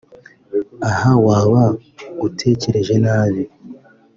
Aha waba utekereje nabi